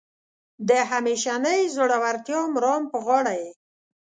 د همیشنۍ زړورتیا مرام په غاړه یې.